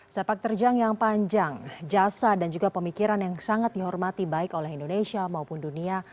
sepak terjang yang panjang jasa dan juga pemikiran yang sangat dihormati baik oleh indonesia maupun dunia